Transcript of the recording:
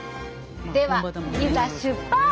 ではいざ出発！